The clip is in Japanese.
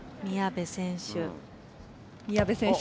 宮部選手。